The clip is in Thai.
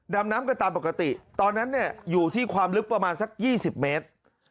ดำน้ำกันตามปกติตอนนั้นเนี่ยอยู่ที่ความลึกประมาณสัก๒๐เมตร